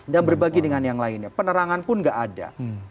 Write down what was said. dan berbagi dengan yang lainnya penerangan pun gak ada